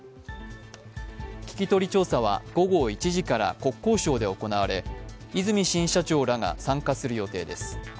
聞き取り調査は午後１時から国交省で行われ、和泉新社長らが参加する予定です。